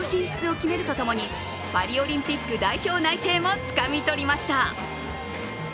決勝進出を決めるとともに、パリオリンピック代表内定もつかみ取りました。